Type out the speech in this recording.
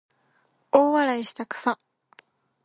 大笑いしたくさ